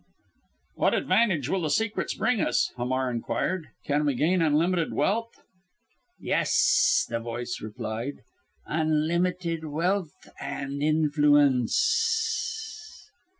"What advantages will the secrets bring us?" Hamar inquired. "Can we gain unlimited wealth?" "Yes!" the voice replied. "Unlimited wealth and influence."